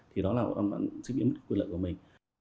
thì đó là một sự biến mất quyền lợi của mình